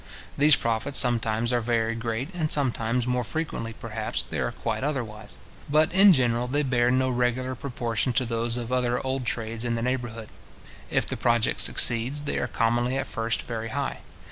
These profits sometimes are very great, and sometimes, more frequently, perhaps, they are quite otherwise; but, in general, they bear no regular proportion to those of other old trades in the neighbourhood. If the project succeeds, they are commonly at first very high.